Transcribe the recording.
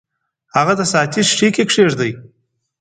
هغه د ساعتي ښيښې کې کیږدئ.